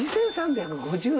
２，３５０円。